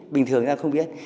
bình thường ra không biết